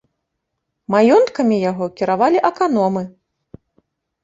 Маёнткамі яго кіравалі аканомы.